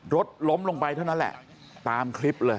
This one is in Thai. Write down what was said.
รถล้มลงไปเท่านั้นแหละตามคลิปเลย